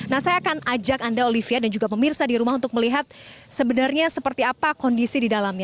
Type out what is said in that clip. nah saya akan ajak anda olivia dan juga pemirsa di rumah untuk melihat sebenarnya seperti apa kondisi di dalamnya